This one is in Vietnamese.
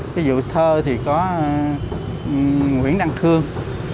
thí dụ thơ thì có nguyễn đăng khương